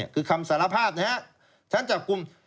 คือคำสารภาพชั้นจับกุม